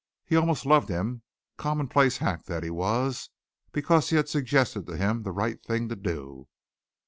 He almost loved him, commonplace hack that he was because he had suggested to him the right thing to do.